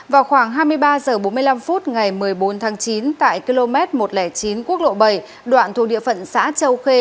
vào khoảng hai mươi ba h bốn mươi năm phút ngày một mươi bốn tháng chín tại km một trăm linh chín quốc lộ bảy đoạn thu địa phận xã châu khê